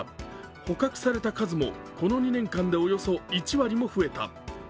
捕獲された数もこの２年間でおよそ１割も増えた。